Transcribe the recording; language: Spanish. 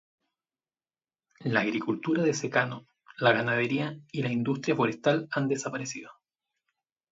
La agricultura de secano, la ganadería y la industria forestal han desaparecido.